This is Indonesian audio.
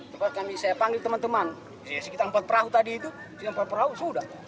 tempat kami saya panggil teman teman sekitar empat perahu tadi itu dilempar perahu sudah